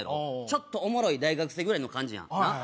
ちょっとオモロイ大学生ぐらいの感じやんなっ